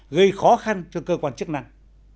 gây khó khăn cho cơ quan chức năng